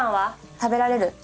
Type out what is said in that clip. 食べられる？